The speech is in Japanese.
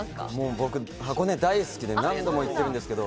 大好きで何度も行っているんですけれど。